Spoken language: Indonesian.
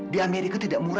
di amerika tidak mungkin